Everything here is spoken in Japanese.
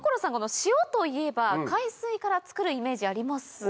塩といえば海水から作るイメージありますよね？